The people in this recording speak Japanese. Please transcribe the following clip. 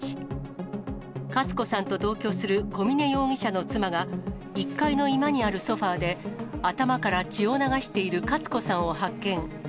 勝子さんと同居する小峰容疑者の妻が、１階の居間にあるソファで頭から血を流している勝子さんを発見。